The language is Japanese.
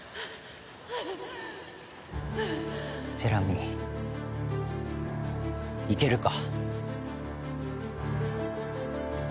ジェラミーいけるか？